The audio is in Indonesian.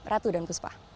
ratu dan kuspa